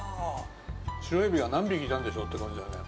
白エビが何匹いたんでしょうって感じだよね。